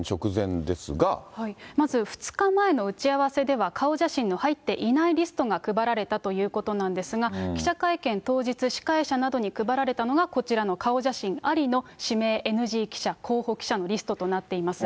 まず２日前の打ち合わせでは、顔写真の入っていないリストが配られたということなんですが、記者会見当日、司会者などに配られたのが、こちらの顔写真ありの、指名ＮＧ記者、候補記者のリストとなっています。